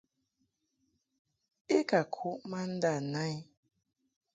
I ka kuʼ ma nda na i.